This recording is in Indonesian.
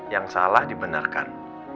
yang salah dibenarkan